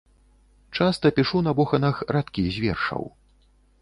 Часта пішу на боханах радкі з вершаў.